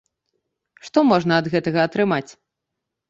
Што можна ад гэтага атрымаць?